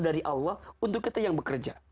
dari allah untuk kita yang bekerja